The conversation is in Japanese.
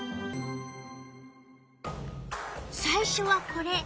最初はこれ。